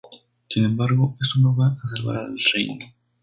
Sin embargo, esto no va a salvar el reino.